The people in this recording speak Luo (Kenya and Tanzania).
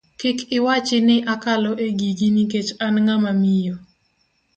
Kik iwachi ni akalo e gigi nikech an ng'ama miyo.